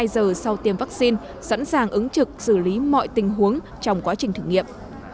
hai mươi giờ sau tiêm vaccine sẵn sàng ứng trực xử lý mọi tình huống trong quá trình thử nghiệm